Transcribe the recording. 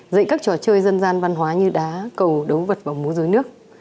dạy các trò chơi dân gian văn hóa như đá cầu đấu vật và múa dưới nước